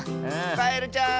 カエルちゃん